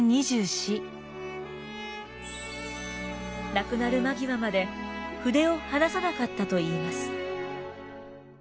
亡くなる間際まで筆を離さなかったといいます。